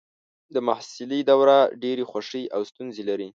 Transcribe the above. د محصلۍ دوران ډېرې خوښۍ او ستونزې لري.